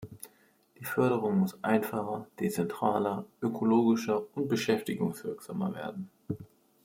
Die Förderung muss einfacher, dezentraler, ökologischer und beschäftigungswirksamer werden.